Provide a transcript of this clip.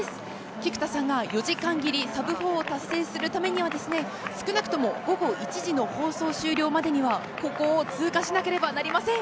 菊田さんが４時間切りサブ４を達成するためには少なくとも午後１時の放送終了までにはここを通過しなくてはなりません。